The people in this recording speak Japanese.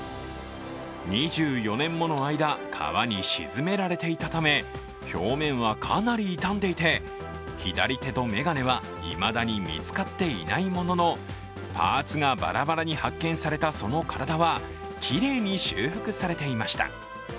２４年もの間、川に沈められていたため表面はかなり傷んでいて、左手と眼鏡はいまだに見つかっていないもののパーツがバラバラに発見されたその体はきれいに修復されていました。